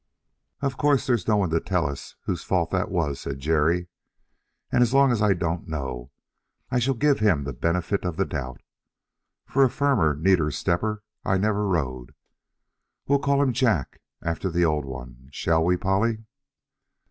"Of course there's no one to tell us whose fault that was," said Jerry, "and as long as I don't know I shall give him the benefit of the doubt; for a firmer, neater stepper I never rode. We'll call him Jack, after the old one shall we, Polly?"